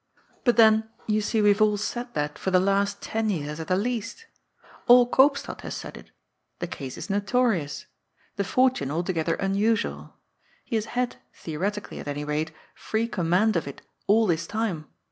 But then, you see we have all said that for the last ten years at the least. All Koopstad has said it. The case is notorious. The fortune altogether unusuaL He has had, theoretically,. at any rate, free command of it all this time.